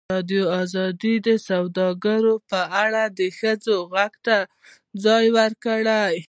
ازادي راډیو د سوداګري په اړه د ښځو غږ ته ځای ورکړی.